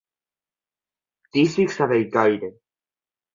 Tísics a Bellcaire.